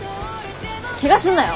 ケガすんなよ。